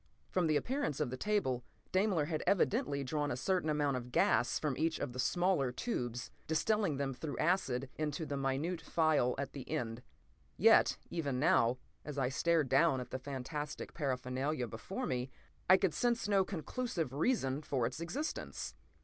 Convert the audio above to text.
From the appearance of the table, Daimler had evidently drawn a certain amount of gas from each of the smaller tubes, distilling them through acid into the minute phial at the end. Yet even now, as I stared down at the fantastic paraphernalia before me, I could sense no conclusive reason for its existence.